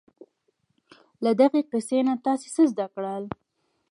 له دغې کیسې نه تاسې څه زده کړل؟